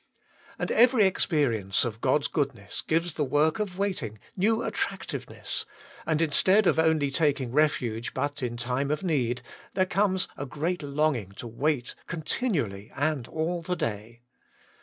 And every experience of God's Ii6 WAITING ON GOD! goodnsss gives the work of waiting new attrac tiveness, and instead of only taking refuge but in time of need, there comes a great longing to wait continually and all the day.